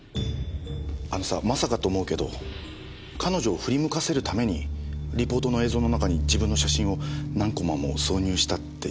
あのさまさかと思うけど彼女を振り向かせるためにリポートの映像の中に自分の写真を何コマも挿入したっていうこと？